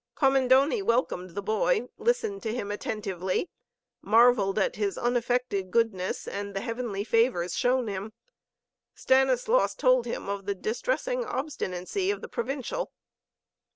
Commendoni welcomed the boy, listened to him attentively, marvelled at his unaffected goodness and at the heavenly favors shown him. Stanislaus told him of the distressing obstinacy of the Provincial.